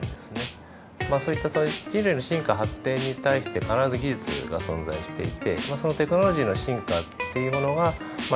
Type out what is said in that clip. まあそういった人類の進化発展に対して必ず技術が存在していてそのテクノロジーの進化っていうものがまあ